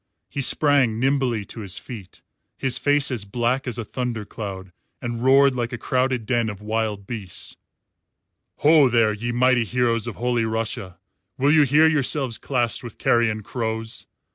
He sprang nimbly to his feet, his face as black as a thunder cloud, and roared like a crowded den of wild beasts: "Ho, there, ye mighty heroes of Holy Russia! Will you hear yourselves classed with carrion crows?